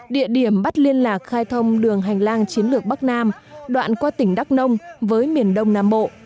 địa điểm bắt liên lạc khai thông đường hành lang chiến lược bắc nam đoạn qua tỉnh đắk nông với miền đông nam bộ